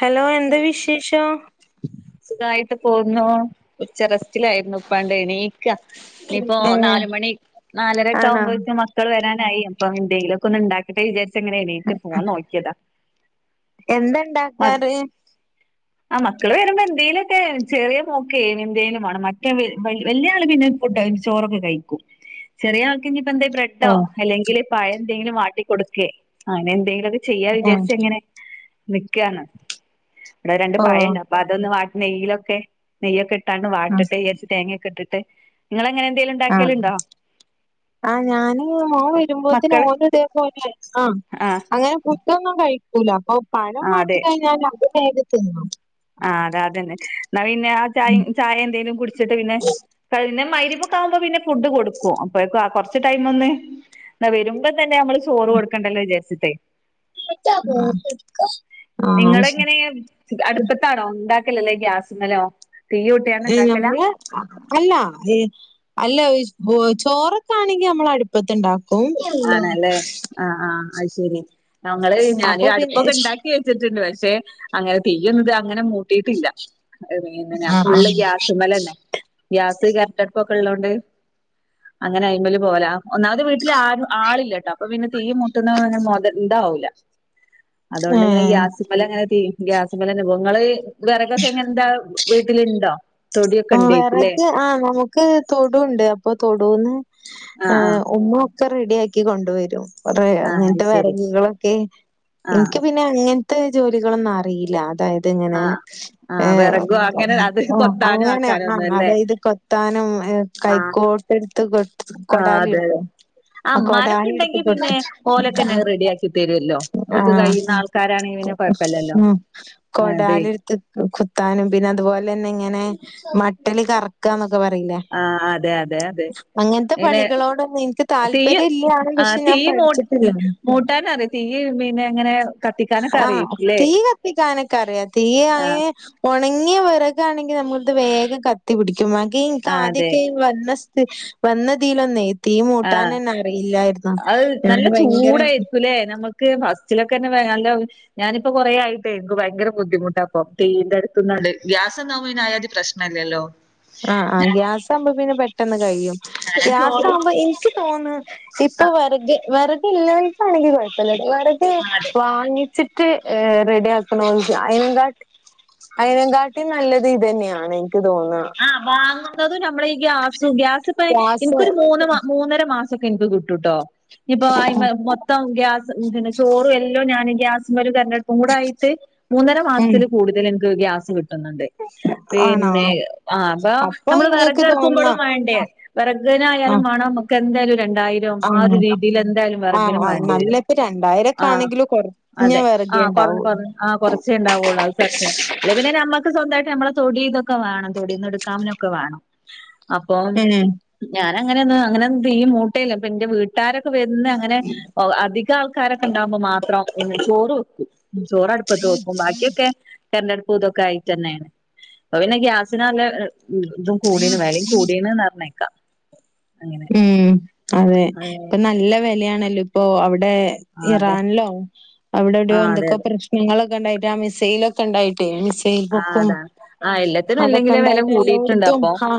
Hello, എന്ത വിശേഷം സുഖായിട്ട് പോകുന്നു ഉച്ച റസ് [unintelligible] യിരുന്നു ഇപ്പാണ്ട് എണീക്ക ഇനിയിപ്പോ ഏ നാലുമണി നാലരൊക്കെ ആണോ ആവുമ്പോയേക്കും മ ക്കള് വെരാനായി അപ്പം എന്തെങ്കിലൊക്കെ ഒന്ന് ഉണ്ടാക്കട്ടെ വിചാർച്ചങ്ങനെ എണീറ്റ് പോവാൻ നോക്കിയതാ എന്താണ്ടാക്കാറ് ആഹ് മക്കള് വരുമ്പോ എന്തേലൊക്കെ ചെറിയ മോക്കേ എന്തേലും മാണം മറ്റേ വല്യ ആള് പിന്നെ ഫുടൊക്കെ ചോറൊക്കെ കഴിക്കും ചെറിയ ആൾക്ക് ഇഞ്ഞിപ്പ എന്തെ ബ്രേ ഓ ട്ടോ അല്ലെങ്കില് പഴം എന്തെങ്കിലും വാട്ടിക്കൊടുക്കേ അങ്ങനെ എന്തെങ്കിലു ലൊക്കെ ചെയ്യാ ഏ വിചാരിച്ചങ്ങനെ നിക്കാണ് ഇവടെ രണ്ട് ഓ പഴണ്ട് അപ്പ അതൊന്ന് വാട്ടി നെയ്യിലൊക്കെ ഇട്ടാണ്ട്‌ ആ വാട്ടട്ടേ വിജാർച്ച് തേങ്ങയൊക്കെ ഇട്ട് [unintelligible] നിങ്ങളങ്ങനെ എന്തേലും ഇണ്ടാക്കല്ണ്ടോ? ആഹ് ഞാന് മോ വരുമ്പോത്ത്ന് മക്കള് ഓന്റെ അതേ പോലെ ആഹ് അങ്ങനെപ്പം ഫുഡോന്നും കഴിക്കൂല അപ്പൊ പഴം ആഹ് വാട്ടി അതെ കഴിഞ്ഞാൽ അത് വേഗം തിന്നും ആഹ് അത അതന്നെ എന്നാ പിന്നെ ആ ചായിം ചായ എന്തേലും കുട്ച്ചിട്ട് പിന്നെ പിന്നെ മഹ് രിപ്പൊക്കെ ആകുമ്പോ പിന്നെ ഫുഡ് കൊടുക്കും അപ്പയേക്ക് ആ കൊർച്ച് ടൈമൊന്ന് വെരുമ്പ തന്നെ നമ്മള് ചോറ് കൊടുക്കണ്ടല്ലോ വിജാർച്ചിട്ടെ എട്ടക്ക നിങ്ങളെങ്ങനെ അടുപ്പത്താണോ ഉണ്ടാക്കല് അല്ലെ ഗ്യാസ് മ്മലോ എയ് നമ്മളെ അല്ല ഏ അല്ല ഈ ചോ ചോറൊക്കെ ആണെങ്കി നമ്മളട്പ്പത്ത്ണ്ടാ ആണല്ലേ ആഹ് ആഹ് അത് ശെരി ഞങ്ങള് ഞാന് അപ്പൊ പിന്നെ അടുപ്പൊക്കെ ഇണ്ടാക്കി വെ [unintelligible] ണ്ട് പക്ഷെ അങ്ങനെ തെയ്യുന്നത് അങ്ങനെ മൂ കിട്ടീട്ടില്ല ഏ ഞാൻ ആ ഫുള്ള് ഗ്യാസ് മലന്നെ ഗ്യാസ് കരന്റട്പ്പ് ഒക്കെ ഉള്ളോണ്ട് അങ്ങനെ അയ്മല് പോവലാ ഒന്നാമത് വീട്ടില് ആ ആളില്ലട്ടോ അപ്പൊ പിന്നെ തീ മുട്ടുന്ന മേത ഇതാവൂല അതുകൊണ്ടിങ്ങനെ ആ ഗ്യാസ്മ്മലങ്ങനെ തീ ഗ്യാസിമ്മലന്നെപ്പൊ ഇങ്ങളീ വെറ കൊക്കെ എങ്ങൻന്താ വീട്ടിലിണ്ടോ ആഹ് വെറക് ആഹ് നമു ക്ക് തൊടുണ്ട് അപ്പൊ തൊടൂന്ന് ഏ ആഹ് ആഹ് ഉമ്മു ഒക്കെ റെഡി ആക്കി കൊണ്ടുവരും കെറേ ആഹ് അത് അങ്ങൻത്തെ ശരി വെറക് കളൊക്കെ ആഹ് ഇൻക്ക് പി ന്നെ അങ്ങൻത്തെ ജോലികളൊന്നും അറീല്ല അതായ തിങ്ങനെ ആഹ് ഏ ആഹ് വെറകും അങ്ങനെ അത് കൊത്താനും അങ്ങനെ ആക്കാനും ആ ഒന്നും അല്ലേ അതായത് കൊത്താനും ആഹ് കൈക്കോട്ട് ഇട്ത്ത് കൊ ആഹ് കൊടാലി അതെ അതെ ഇടത്തേ ആഹ് ഇമ്മാരൊക്കെ കൊടാളി എടുത്ത് ഇണ്ടെങ്കി പിന്നെ പൊട്ടിച്ച് ഓലൊക്കെന്നെ ആഹ് റെഡിയാക്കി തരുവല്ലോ ഓൽക്ക് ആഹ് കഴിയുന്ന ആൾക്കാരാണെങ്കി പിന്നെ കൊഴപ്പല്ലല്ലോ അതെ കൊടാലി എ കുത്താനും പിന്നെ അതുപോലെ തന്നെ ഇങ്ങനെ മട്ടൽ കറക്കന്നൊക്കെ പറയില്ലേ ആഹ് അതെ അതെ അതെ അങ്ങനത്തെ ഇങ്ങനെ പണികളോടൊന്നും എനിക്ക് താല്പര്യം ഇല്ലാണ് പക്ഷെ ഞാൻ പഠിച്ച മൂട്ടാന അറിയ തീ മീനെ ഇങ്ങനെ കത്തിക്കാനൊക്കെ ആഹ് അറിയിക്കുംല്ലേ തീ കത്തിക്കാാനൊക്കെ അറിയാം തീ അയ്ന് ഒണങ്ങിയ വിറകാണെങ്കി നമ്മളിത് വേഗം കത്തി പിടിക്കും ബാക്കി എനിക്ക് ആഹ് അതെ ആദ്യൊക്കെ വന്ന സ ത്ത് വന്നതിലൊന്നേ തീ ആഹ് മൂട്ടാനന്നെ അറിയില്ലായിന്ന് ഞാാന് ഭയങ്കര ക്കുല്ലേ നമ്മക്ക് ഓക്ക് ഫസ്റ്റിലൊക്കെ തന്നെ നല്ല ഞാനിപ്പ കൊറേ ആയിട്ട് എനിക്ക് ഭയങ്കര ബുദ്ധിമുട്ടാപ്പം തീയിന്റെ അടുത്ത്ന്നാല് ഗ്യാസ്ന്നാവുമ്പ പിന്നെ അയാതി പ്രശ് നല്ലല്ലോ ആഹ് ആഹ് ഗ്യാസാക്പ പിന്നെ പെട്ടെന്ന് കഴിയും ഞാനാ ഗ്യാസ ചോറ് ആകുമ്പ ആഹ് എനിക്ക് തോന്ന ഇപ്പൊ വെറക് വെറക് ഇള്ളവർക്കാണെങ്കി കൊഴപ്പില്ല വെറക് അതെ വാങ്ങി ചിട്ട് റെഡിയാക്കണോല്ക്ക് അയ്ന്ങ്കാട്ടി അയനകാട്ടി നല്ലത് ഇത് തന്നെയാണ് എനിക്ക് തോന്നാ ആഹ് വാങ്ങുന്നത് നമ്മള് ഈ ഗ്യാസു ഗ്യാസ് ഇപ്പ ശ്വാസ എന്ക്കൊരു മൂന്ന് മാ മൂന്നര മാസൊക്കെ എനിക്ക് കിട്ടൂട്ടോ ഇഞ്ഞിപ്പൊ ആയിമെ മൊത്തം ഗ്യാസ് പിന്നെ ചോറും എല്ലാം ഞാന് ഗ്യാസ് മേല് വെ കൂടായിട്ട് മൂന്നര ഉം മാസത്തില് കൂടുതല് എനിക്ക് ഗ്യാസ് കിട്ട് ട്ട്ന്നുണ്ടെ ആണോ പിന്നെ അപ്പ അപ്പൊ നമ്മള് ഇങ്ങക്ക് വെറക് തോന്നാ എറക്കുമ്പോളും വേണ്ടേ വെറകിനായാലും ആഹ് വേണം നമുക്ക് എന്തായ്ലൊരു രണ്ടായിരം ആ ഒരു ആഹ് രീതില് എന്തായാലും ആഹ് വെറകിനും ആഹ് വേണ്ടി നല്ല വരും ഇപ്പ രണ്ടായിരൊക്കെ ആഹ് ആണെങ്കിലും കൊറഞ്ഞ അതെ വെറകെ ആഹ് ഉണ്ടാവൂ പറഞ്ഞോ പറഞ്ഞോ ആഹ് കൊറച്ചേ ഇണ്ടാവുള്ളൂ അത് സത്യ അല്ലെ പിന്നെ ഞമ്മക്ക് സ്വന്തയിട്ട് ഞമ്മളെ തൊടിതൊക്കെ വേണം തൊടിന്ന് എടുക്കാനൊക്കെ വേണം അപ്പം ഉം ഞാനങ്ങനെന്ന് അങ്ങനെ തീയും മൂട്ടെല്ല് അപ്പ എന്റെ വീ ട്ടാരൊക്കെ വരുന്ന അങ്ങനെ ഒ അധിക ആൾക്കാരൊക്കെ ണ്ടാകുമ്പോ മാത്രം ചോറ് വെക്കും ചോറ് അടുപ്പത്ത് വെക്കും ബാക്കിയൊക്കെ കരണ്ടടുപ്പ് ഇതൊക്കെ ആയിട്ട് തന്നെയാണ് അപ്പ പിന്നെ ഗ്യാസ്സ്‌ നാലെ ഇതും കൂടീന് വേലയും കൂടീന്ന് നറിഞ്ഞേക്കാം ഉം അതെ ഇപ്പൊ നല്ല വെലയാണല്ലോ ഇപ്പൊ അവിടെ ആ അതെ ഇറാനിലോ അവിടെ ആ എവിടെയോ അതെ എന്തൊക്കെ അതെ പ്രശ്നങ്ങളൊക്കെ ഇണ്ടായിട്ടെ ആ മിസൈല് ഒക്കെണ്ടായിട്ടെ മിസ് തേൽ ആ പൊക്കും അതാണ് ആ എല്ലാത്തിനും അല്ലെങ്കിലേ വെല അതൊക്കെണ്ടായിട്ട് കൂടിയിട്ടുണ്ട് എല്ലോടുത്തും അപ്പൊ ഹാ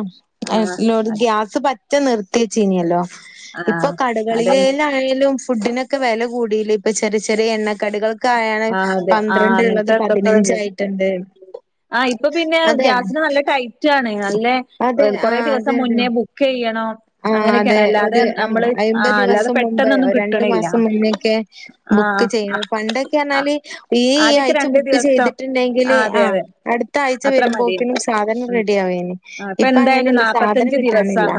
ആ എല്ലോടു ഗ്യാസ് സ് പറ്റ നിർത്തിച്ചിനിയല്ലോ ആ ഇപ്പൊ അതന്നെ കടകളിലെലാ യാലും ഫുഡിനൊക്കെ വെല കൂടിയില്ലെ ഇപ്പ ചെറിയ ചെറിയ എണ്ണക്കടികൾ ക്കയാണ് ആ അതെ ആ പന്ത്രണ്ട് ഇള്ളത് അങ്ങനത്തെ ഇതൊക്കെ പതിനഞ്ച് വന്നിട്ട് ആയിട്ട്ണ്ട് ആഹ് ഇപ്പൊ പിന്നെ ഗ്യാസിന് നല്ല ടൈറ്റ് ആണ് നല്ലെ അതെ കൊറെ ആഹ് അതെ ദിവസം അതെ മുന്നേ ബു ക്കെയ്യണം ആഹ് അതെ ഒരു ഉം അയമ്പത് അല്ലാതെ ദിവസം മുമ്പേ പെട്ടെന്നൊന്നും ഒര് രണ്ടു കിട്ടണില്ല മാസം മുന്നേക്കെ ആഹ് ബുക്ക് ചെയ്യണ പണ്ടെ ആഹ് ക്കനാല് ഈ ഈ ആദ്യൊക്കെ ആയ്ച്ച രണ്ട് ബുക്ക് ദിവസം ചെയ്തിട്ടുണ്ടെങ്കില് അതെ ആഹ് അതെ അടുത്ത ആയ് ച്ച് അത്ര മതി വരുമ്പോക്കിനും സാധനം ഉം റെഡി ആവിന് ഇപ്പൊ അങ്ങനെയല്ല സാധനം കിട്ടാനില്ല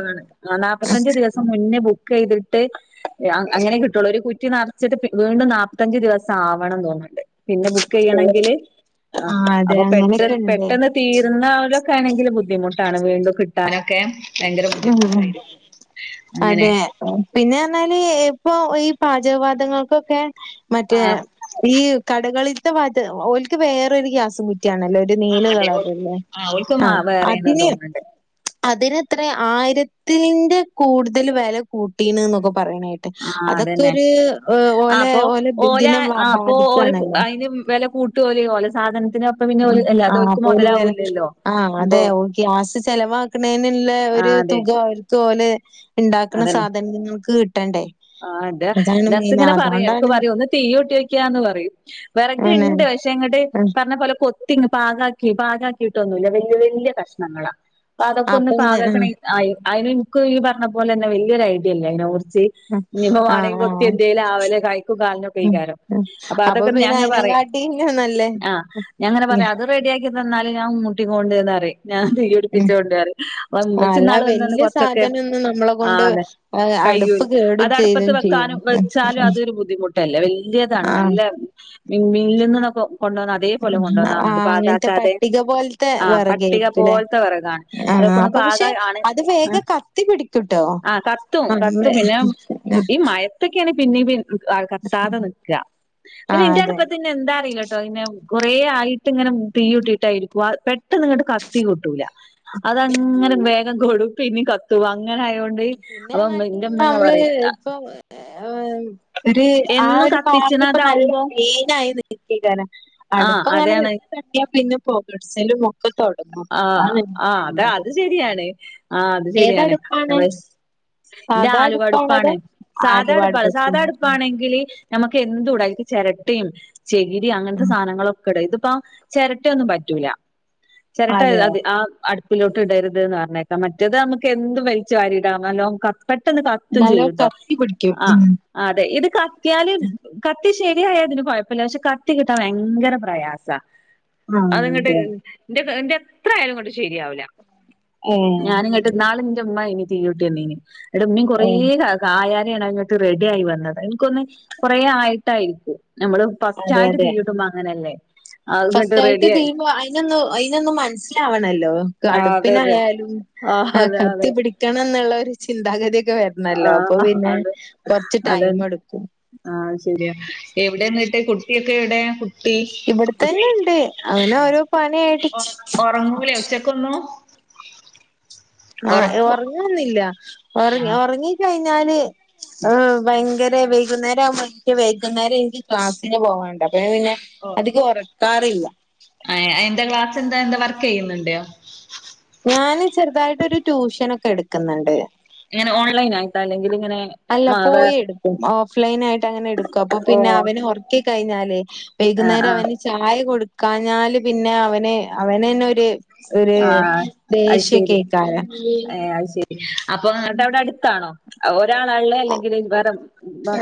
ആഹ് നാപത്തഞ്ച് ദിവസം മുന്നേ ബുക്കെയ്തിട്ട് അങ്ങനെ കിട്ടുള്ളൂ ഒരു കുറ്റി നറച്ചിട്ട് വീണ്ടും നാപത്തഞ്ച് ദിവസം ആവണംന്ന് തോന്നുന്നുണ്ട് പിന്നെ ബുക്കെയ്യണങ്കില് ആഹ് അതെ അപ്പൊ പെട്ടെ അങ്ങനെയൊക്കെ ഉണ്ട് പെട്ടെന്ന് തീര്ന്ന ആവരൊക്കെ ആണെങ്കില് ബുദ്ധിമുട്ടാണ് വീണ്ടും കി ത്താനൊക്കെ ഭയങ്കര ഉം ബുദ്ധിമുട്ടായിരിക്കും അങ്ങനെ പിന്നെന്നാല് ഇപ്പൊ ഈ പാചകവാതങ്ങൾക്കൊക്കെ മറ്റേ ആ ഈ കടകളില്ത്തെ വാത് ഓല്ക്ക് വേറെരു ഗ്യാസും കുറ്റിയാണല്ലെ ഒര് ര് ആ അതെ ഓ നീലകളറല്ലെ ആ ഓൽക്ക് ആഹ് വേറെന്ന് അതിന് തോന്നുന്നുണ്ട് അതിനെത്രയാ ആയിരത്തിന്റെ കൂടുതല് വില കൂട്ടീണ് എന്നൊക്കെ പറയണണെ ആ അതെക്കെ അതന്നെ ഒരു ആ ഓലെ അപ്പൊ ഓലെ ഓല ദിനം ബാധിക്കാണല്ലോ ട്ടോൽ ഓല സാധനത്തിന് ആഹ് ആഹ് പോലെ ആഹ് അപ്പൊ അതെ ഓ ഗ്യാസ് ചെലവാക്കണെനുള്ള ആ ഒരു അതെ തുക ഒര് ഓൽ ഉണ്ടാക്കണ സാധനങ്ങൾക്ക് കിട്ടണ്ടേ ആഹ് ന്റെ അതാണ് ഹസ് മെയിന്. ഇങ്ങനെ പറയും എടക്ക് അതോണ്ടാണ് പറയും ഒന്ന് തീയ് മൂട്ടി നോക്കിയ ന്ന് പറയും പിന്നെ വിറകിണ്ട് പക്ഷെ ഇങ്ങട്ട് ഉം പറഞ്ഞ പോലെ കൊ ങ്ങ് പാകാക്കി പാകാക്കിയിട്ടൊന്നുമില്ല വല്യയ വല്യയകഷ്ണങ്ങളാ അപ്പൊ അതൊക്കെ ഒന്ന് ഇങ്ങ ആഹ് പാകാക്കണെ ആയി അയിനെനക്ക് ഈ പറഞ്ഞ പോലെ തന്നെ വലിയൊരു ഐഡിയല്ലേ അതിനെ കുറിച്ച് ഇഞ്ഞിപ്പോ ആഹ് വാണെങ്കി ആഹ് കൊത്തി ആഹ് എന്തേലും ആവെല് കയിക്കും കാലിനൊക്കെ ഉം ഏകാരം ഉം. അപ്പൊ അതൊക്കെ പിന്നെ ഞാനിങ്ങനെ പറയും അയിനെക്കാട്ടിലും നല്ലേ ആഹ് ഞങ്ങനെ ഉം പറയാ അത് റെഡി ആക്കിതന്നാലും ഞാൻ മ്മൂട്ടി കൊണ്ടന്നറിം ഞാൻ ഉം. കത്തിച്ചോണ്ട് പറയും മ്മച്ചി അല്ല നാള് നിന്നെന്ന് വല്യ കുറച്ചൊക്കെ സാധനൊന്നും നമ്മളെ ആഹ കൊണ്ട് അതെ ഏഹ് കയ്യൂ അടുപ്പ് കേടും അടുപ്പത്ത് ചെയ്യും ചെയ്യും. വെക്കാനും ഉം വെച്ചാലും ഉം അതൊരു ബുദ്ധിമുട്ടല്ലെ വലിയതാണ് ആഹ് നല്ല മീ മില്ലിന്ന് കൊണ്ടന്ന അതേപോലെ കൊണ്ടുവന്നാവുന്നുണ്ട് ആഹ് അങ്ങനത്തെ പാകക്കാതെ പട്ടിക പോലത്തെ ആഹ് പട്ടിക വെറകായിരിക്കുംല്ലേ? പോലത്തെ വിറകാണ് ആഹ് അതൊക്കെ ഒന്ന് അപ്പൊ പാക പക്ഷെ ആണ് അത് ആഹ് വേഗം കത്തി പിടിക്കൂട്ടോ. ആഹ് കത്തും അതെ കത്തും പിന്നെ ഉം ഈ മയത്തൊക്കെയാണ് പിന്നിം പിൻ കത്താതെ നിക്കാ. പിന്നെ ആഹ് ഇന്റെ അതെ അടുപ്പെത്ത് ഇന്നെന്താ അറീലട്ടോ ഇങ്ങനൊരു കൊറേ ആയിട്ട്ങ്ങനെ ഉം തീയുട്ടിട്ടായിരിക്കും ആഹ് പെ ട്ടന്ന്ങ്ങണ്ട് കത്തി കിട്ടൂല. അതങ്ങനെ വേഗം കെടും പിന്നിം കത്തും അങ്ങനായോ ണ്ട്. അപ്പൊ ഇമ്മ ഇൻ്റെമ്മെങ്ങനെ പറിം ഇപ്പ ഒര് ആ എന്നും ഒരു ഭാഗ ഇപ്പ നല്ല കത്തിച്ച്ണതാവുമ്പോ ക്ലീനായി നി ക്കേക്കാരം. ആഹ് അട്പ്പങ്ങാന് അതാണ് കത്തിയാപിന്നെ പൊകട്ച്ചലും ആഹ് ആഹ് അത അത് ശരിയാണ്. ആഹ് അത് ശരിയാണ് ഏതടുപ്പാണ് അവ ഇൻ്റെ സാധാ അടുപ്പാണോ ആലുവടുപ്പാണ്. അതോ ആലുവ സാധാട്പ്പാണ്. സാധാ അടുപ്പത്തന്നെ അടുപ്പാണെങ്കില് നമക്ക് എന്തൂട അയ്ക്ക് ചെരട്ടിം ചെകിരി അങ്ങൻത്തെ സാനങ്ങളൊക്കെ ഇട. ഇതിപ്പ ചെരട്ടയൊന്നും പറ്റൂല. ചെരട്ട അതെയോ അത് ആഹ് അട് പിലോട്ട് ഇടര്ത് ന്ന് പറഞ്ഞേക്കാം. മറ്റേത് അമ്മക്ക് എന്തും വൽച്ച് വാരിടാം നല്ലോം ക പെട്ടെന്ന് കത്തും നല്ലോം ചെയ്യുട്ടോ. കത്തി പിടിക്കും ആഹ് ഉം അതെ ഇത് കത്തിയാല് കത്തി ശരിയായ ഇതിന് കൊഴപ്പല്ല്യ. പക്ഷെ കത്തി കിട്ടാൻ ഭയങ്കര പ്രയാസാ അത് ആഹ് ഇങ്ങട്ട് അതെ എൻ്റെ ഇൻ്റെ എത്ര ആയാലും ഇങ്ങണ്ട് ശരിയാവൂല ഏഹ് ഞാനിങ്ങ ട്ട് ഇന്നാളിന്റെമ്മ ഇനി തീയുട്ടന്നീനി. ഇന്ന്ട്ടിമ്മിം കെറേ ഓഹ് കാല കായാനേണ്ങ്ങട്ട് റെഡി ആയി വന്നത്. ഇൻക്കോന്ന് കൊറേ ആയിട്ടായിരിക്കും നമ്മള് അതെ ഫസ്റ്റായിട്ട് അതെ തീയ്യ്ടുമ്പോ അങ്ങനല്ലേ. അഹ്‌ങ്ങട്ട് റെഡി ആയി നൊന്ന് അയ്നൊന്നും മൻസ്സിലാവണല്ലോ ആ അതെ അതെ അടുപ്പിനായാലും ആ അതെ അതെ കത്തി പിടി ക്കണന്ന്ള്ള ഒരു ചിന്താഗതിയൊക്കെ വെര്ണല്ലോ അപ്പൊ ആഹ് പിന്നെ കൊർച്ച് ടൈമെടുക്കും ആ ആഹ് ശരിയാ. എവ്ടെന്നിട്ട് കുട്ടിയൊക്കെ എവ്ടേ ട്ടി, ഇവിടെ കുട്ടി, തന്നെ ഉണ്ട് അങ്ങനെ ഓരോ പണിയായിട്ട് ഒറങ്ങൂലെ ഉച്ചക്കൊന്നും ഒറ ആഹ്, ഒറങ്ങുന്നില്ല. ആഹ് ഒറങ്ങിക്കെയ്ഞ്ഞാല് ആഹ്, ഭയങ്കര വൈകുന്നേരം ആവുമോ ഇൻക് വൈകുന്നേരം ഇൻക്ക് ക്ലാസ്സിന് പോവാണ്ട് ഞാൻ പിന്നെ അതിക ഒറക്കാറില്ല്യ അഹ് അഹ്എന്തയ്യുവാ ക്ലാസ് എന്താ എന്താ വർക്കെയ്യുന്നുണ്ടോ ഞാന് ചെറ്തായിട്ടൊരു ട്യൂഷനൊക്കെ എട്ക്ക്ന്ന്ണ്ട് എങ്ങനെ ഓൺലൈനായിട്ടാ അല്ലെങ്കില് ഇങ്ങനെ അല്ല മാ വേ പോയി എടുക്കും ഓഫ് ലൈനായിട്ട് അങ്ങനെ എടുക്കും അപ്പൊ ഓ പിന്നെ അവനെ ഒറക്കിക്കഴിഞ്ഞാല് ആഹ് വൈകുന്നേര ആഹ് അവന് ചായ കൊടുക്കാഞ്ഞാല് പിന്നെ അവന് അവനെ ന്നെ ഒര് ഒര് ആഹ് ദേഷ്യക്കെ ഏയ്ക്കാരം അപ്പം ങ്ങട്ട് അവിടെ അടു ത്താണോ ഒരാളാ ള്ളെ അല്ലെങ്കില് വേറെ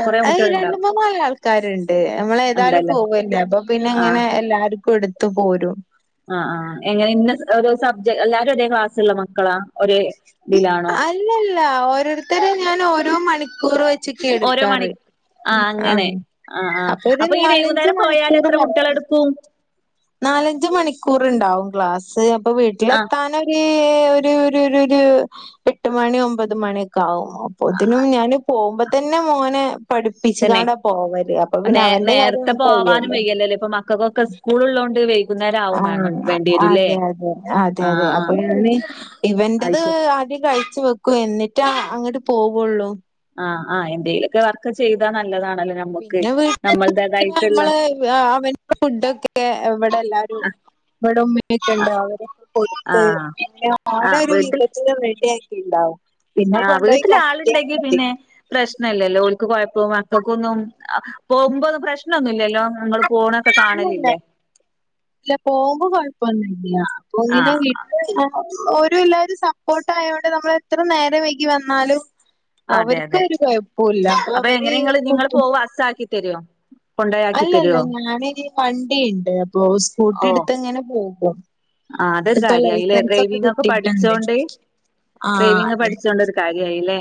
കെറേ അത് കുട്ടിയൾ രണ്ട് മൂന്നാലാൾക്കാര് ണ്ട് നമ്മള് ഏതാലും ഉണ്ടല്ലേ പോവല്ലേ അപ്പം പിന്നെ ആഹ് ഇങ്ങനെ എല്ലാര്ക്കു ഇട്ത്ത് പോരും ആഹ് ആഹ് എങ്ങനെ ഇന്ന ഒരു സബ്ജ എല്ലാരും ഒരേ ക്ലാസ്ള്ള മക്കളാ ഒരേ ഇതിലാണോ അല്ലല്ല ഓരോരുത്തരെ ഞാൻ ഓരോ മണിക്കൂറ് വെച്ച്ക്കേ ഓരോ മണി എട്ക്കാറ് ആഹ് ആഹ് ആഹ് അപ്പൊ ഒരു ഈ നാലഞ്ച് വൈകുന്നേരം പോയാൽ മണിക്കൂറ് എത്ര കുട്ടികളെ വർക്ക് എടുക്കും നാലഞ്ച് മണിക്കൂറ്ണ്ടാവും ക്ലാസ് അപ്പൊ ആഹ് വീട്ടിലെത്താനൊര് ഏഹ് ഒര് ഒര് ഒര് ഒര് എട്ട് മണി ഒമ്പത് മണി ഒക്കാവും. അപ്പോതിനും ഞാന് പോവുമ്പതന്നെ മോന് തന്നെ പഠിപ്പിച്ച്കാണ്ടാ പോവല് അപ്പം പിന്നെ അവന്റെ കാര്യം കഴിയൊല്ലോ ല്ലല്ല ഇപ്പം മ ക്കൊക്കെ സ്കൂള് ള്ളോണ്ട് വൈ ആണേ അതെ അതെ അതെ അതെ ആഹ് അപ്പൊ ആഹ് ഞാന് അത് ഇവന്റത് ശരി ആദ്യം കഴിച്ച് വെക്കും എന്നിട്ടാ അങ്ങട്ട് പോവുള്ളൂ ആഹ് ആഹ് എന്തേലു പിന്നെ വീട്ട് പോയിട്ട് നമ്മൾടേതായിട്ടുള്ള നമ്മള് വ് അവൻ്റെ ഫുഡൊക്കെ ക്കെ ഇവിടെ എല്ലാരു ഇവിടെ ഉമ്മി ഉപ്പ യൊക്കെണ്ട് അവരൊക്കെ കൊട്ത്ത് ആഹ് അങ്ങനെ ഓനെ ആഹ് ഒര് വീട്ടിൽ വിധത്തിലും റെഡിയാക്കിണ്ടാവും ആഹ് വീട്ടില് ആള്ണ്ടെങ്കി പിന്നെ പ്രശ്നല്ലല്ലോ ഓൽക്ക് കൊഴപ്പോ മക്കൾക്കൊന്നും പോകുമ്പോ അത് പ്രശ്നൊന്നുല്ലല്ലോ ഇങ്ങള് പോണൊക്കെ ഇല്ലല്ല കാണലില്ലേ ഇല്ല പോകുമ്പോ കൊഴപ്പൊന്നും ഇല്ല അപ്പോ ഇങ്ങനെ ആഹ് വീ ആഹ് ഓരും എല്ലാവരും സപ്പോർട്ട് ആയോണ്ട് നമ്മൾ എത്ര നേരം വൈകി വന്നാലും അതെ അവർക്ക് അതെ ഒര് കൊഴപ്പോല്ല അപ്പൊ അവര് [unintelligible] പാസാക്കി തരോ കൊണ്ടയാക്കി അല്ലല്ല തരോ ഞാനൊര് വണ്ടി ഇണ്ട് അപ്പൊ സ്കൂട്ടി ഓഹ് എടുത്ത് ഇങ്ങനെ പോകും ആഹ് അതൊരു ഇപ്പൊ കാര്യായില്ലേ ലൈസൻസ് ഡ്രൈവിംഗ് ഒക്കെ കിട്ടിയിട്ടുണ്ട് പഠിച്ചോണ്ട് ആഹ് ഡ്രൈവിങ് അതെ പഠിച്ചോണ്ടൊര് കാര്യായി ല്ലേ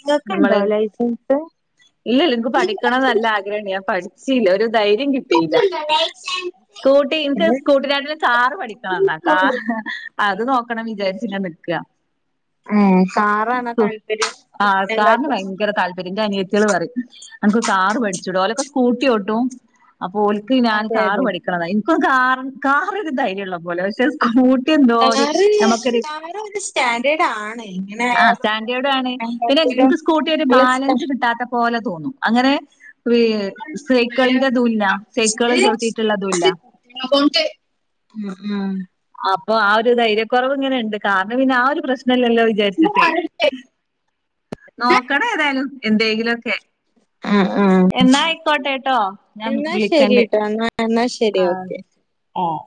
ഇങ്ങക്ക് ണ്ടോ ലൈസൻസ് ഇല്ലല്ല ഇൻക്ക് പഠിക്കണം ന്ന് നല്ല ആഗ്രഹം ഇണ്ട് ഞാൻ പഠിച്ചീല്ല ഒരു ധൈര്യം കിട്ടിയില്ല സ്കൂട്ടി ഇൻക്ക് സ്കൂട്ടി നേട്ടീലും കാ കാറ് പഠിക്കണം ന്നാ കാ അത് നോക്കണം ന്ന് വിചാരിച്ച് ഇങ്ങനെ നിക്കാ ഏഹ് കാറാണോ ഇൻകും താല്പര്യം ആഹ് കാറിന് സ്കൂട്ടിനെകാട്ടിലും ഭയങ്കര താല്പര്യം ന്റെ അനിയ ത്തിയള് പറയ് അൻക്ക് കാറ് പഠിച്ചുടെ ഓലൊക്കെ സ്കൂട്ടിയോട്ടും അപ്പൊ ഓ ൽക്ക് ഞാൻ അതെ കാറ് അതെ പഠിക്കണം ന്നാ ഇൻക്കും കാ കാറ് ഒര് ധൈര്യള്ള പോലെ പക്ഷെ സ്കൂട്ടി എന്തോ ഒരു കാറ് നമുക്കൊരു കാറൊര് സ്റ്റാൻഡേർഡ് ആണ് എങ്ങനെ ആഹ് യാൽ സ്റ്റാൻഡേർഡ് ആണ് പിന്നെ ഇൻക്ക് സ്കൂട്ടി ഓട്ടിയാ നല്ല ബാലൻസ് കിട്ടാത്ത പോലെ തോന്നും അങ്ങനെ വി സ്റ്റാൻഡേർഡ് സൈക്കളിന്റെ ഇതും ഇല്ല സൈക്കള് ചവിട്ടിയിട്ട്ള്ളതും ഇല്ല നബോണ്ട് ആഹ് ആഹ് അപ്പൊ ആഹ് ഒരു ധൈര്യക്കുറവ് ഇങ്ങനെയുണ്ട് കാറിന് പിന്നെ ആഹ് ഒരു പ്രശ്നം ഇല്ലല്ലോ ഉം വിചാരിച്ചിട്ടേ നോക്കണം ഏതായാലും എന്തെങ്കിെലക്കെ ഉം എന്നാ ആയിക്കോട്ടെട്ടോ ഞാൻ എന്നാ വിളിക്കണ്ട് ശരിട്ടോ എന്നാ എന്നാ ശരി ആഹ് ഓക്കെ ആഹ്